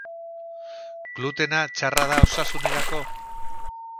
Glutena txarra da osasunerako?